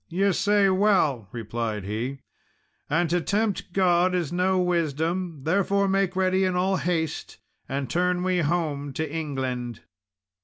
"Ye say well," replied he, "and to tempt God is no wisdom; therefore make ready in all haste, and turn we home to England."